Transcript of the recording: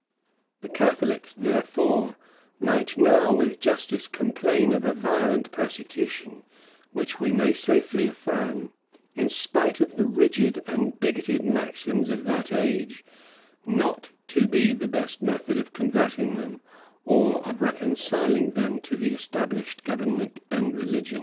[] The Catholics, therefore, might now with justice complain of a violent persecution; which we may safety affirm, in spite of the rigid and bigoted maxims of that age, not to be the best method of converting them, or of reconciling them to the established government and religion.